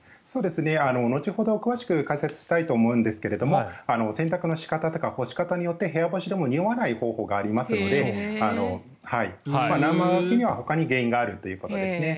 後ほど詳しく解説したいと思うんですが洗濯の仕方とか干し方によって、部屋干しでもにおわない方法がありますので生乾きには、ほかに原因があるということです。